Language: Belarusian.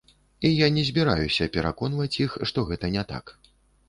І я не збіраюся пераконваць іх, што гэта не так.